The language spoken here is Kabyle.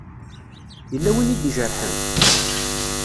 Yella win i d-ijerḥen?